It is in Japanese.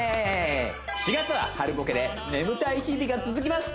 ４月は春ボケで眠たい日々が続きます